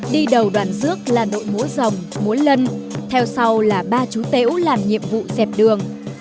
đi đầu đoàn rước là đội múa rồng múa lân theo sau là ba chú tễu làm nhiệm vụ dẹp đường